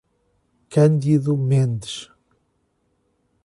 Cândido Mendes